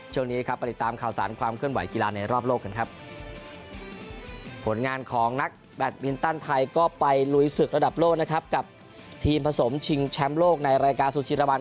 ช่วงนี้ครับบริตามข่าวสารความขึ้นไหวในรอบโลกครับ